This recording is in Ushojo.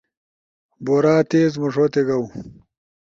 بورا تیز مݜوتے گاؤ